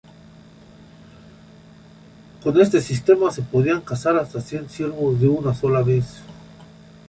Con este sistema se podían cazar hasta cien ciervos de una sola vez.